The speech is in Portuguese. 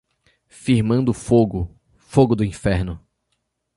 Firmando fogo, fogo do inferno.